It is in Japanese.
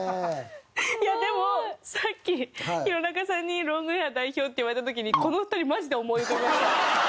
いやでもさっき弘中さんにロングヘア代表って言われた時にこの２人マジで思い浮かびました。